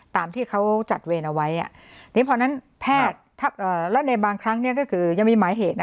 ตามที่เขาจัดเวรเอาไว้นี่พอนั้นแพทย์แล้วในบางครั้งก็คือยังมีหมายเหตุ